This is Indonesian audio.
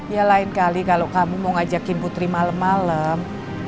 ya lain kali kalo kamu mau ngajakin putri malem malem